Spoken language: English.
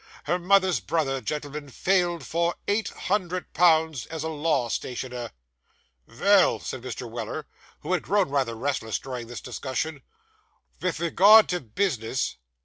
Her mother's brother, gentlemen, failed for eight hundred pounds, as a law stationer.' 'Vell,' said Mr. Weller, who had grown rather restless during this discussion, 'vith regard to bis'ness.